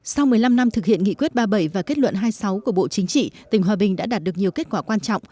sau một mươi năm năm thực hiện nghị quyết ba mươi bảy và kết luận hai mươi sáu của bộ chính trị tỉnh hòa bình đã đạt được nhiều kết quả quan trọng